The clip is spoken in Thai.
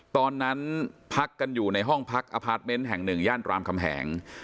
ตอนนั้นพักกันอยู่ในห้องพักอพาร์ทเมนต์แห่งหนึ่งย่านรามคำแหง